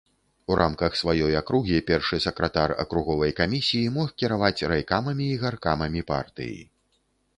У рамках сваёй акругі першы сакратар акруговай камісіі мог кіраваць райкамамі і гаркамамі партыі.